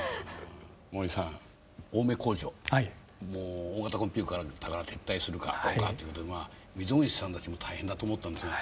もう大型コンピューターから撤退するかとかっていうことでまあ溝口さんたちも大変だと思ったんですが。